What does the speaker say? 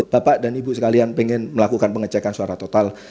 bapak dan ibu sekalian ingin melakukan pengecekan suara total